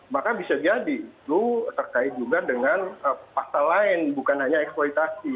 maka bisa jadi itu terkait juga dengan pasal lain bukan hanya eksploitasi